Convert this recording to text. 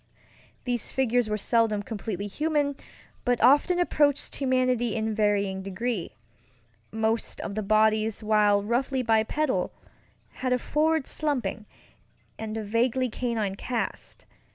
These figures were seldom completely human, but often approached humanity in varying degrees. Most of the bodies, while roughly bipedal, had a forward slumping, and a vaguely canine cast.